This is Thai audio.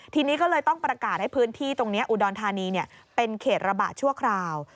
ทีนี้ก็เลยต้องประกาศให้พื้นที่ตรงนี้อุดรธานีเป็นเขตระบาดชั่วคราว